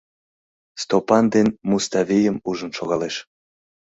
Стопан ден Муставийым ужын шогалеш.